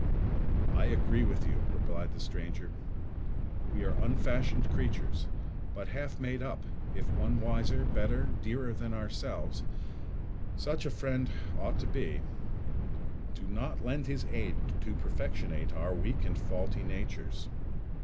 "I agree with you," replied the stranger; "we are unfashioned creatures, but half made up, if one wiser, better, dearer than ourselves—such a friend ought to be—do not lend his aid to perfectionate our weak and faulty natures.